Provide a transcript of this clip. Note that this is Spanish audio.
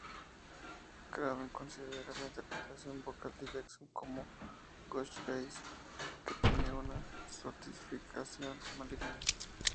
Craven considera la interpretación vocal de Jackson como Ghostface que tiene una "sofisticación maligna".